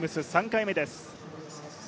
３回目です。